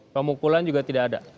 pemukulan juga tidak ada